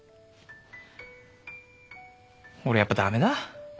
俺やっぱ駄目だ。